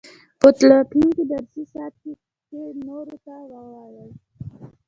په راتلونکي درسي ساعت کې دې نورو ته ووايي.